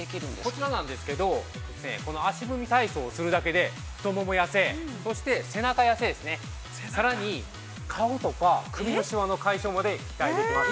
◆こちらなんですけど、この足踏み体操をするだけで、太もも痩せ、そして、背中痩せですね、さらに、顔とか首のしわの解消まで期待できます。